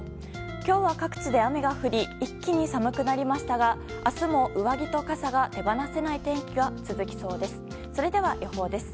今日は各地で雨が降り一気に寒くなりましたが明日も、上着と傘が手放せない天気が続きそうです。